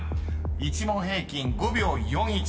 ［１問平均５秒４１］